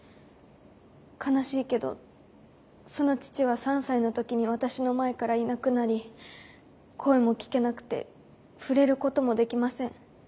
悲しいけどその父は３歳の時に私の前からいなくなり声も聞けなくて触れることもできません。